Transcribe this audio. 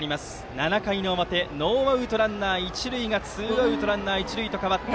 ７回の表ノーアウトランナー、一塁がツーアウトランナー一塁と変わった。